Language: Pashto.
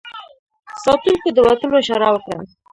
ساتونکو د وتلو اشاره وکړه.